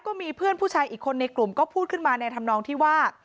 ก็มีเพื่อนผู้ชายอีกคนในกลุ่มก็พูดขึ้นมาในธรรมนองที่ว่า